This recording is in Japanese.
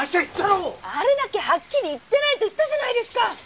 あれだけはっきり行ってないと言ったじゃないですか！